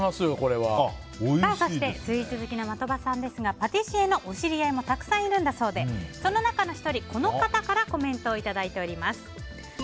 そして、スイーツ好きの的場さんですがパティシエのお知り合いもたくさんいるんだそうでその中の１人、この方からコメントをいただいています。